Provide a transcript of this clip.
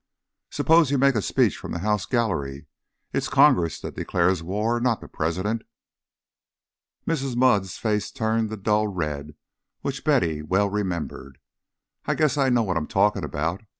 "Suppose you make a speech from the House Gallery. It is Congress that declares war, not the President." Mrs. Mudd's face turned the dull red which Betty well remembered. "I guess I know what I'm talking' about.